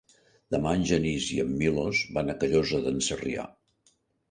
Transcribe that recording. Demà en Genís i en Milos van a Callosa d'en Sarrià.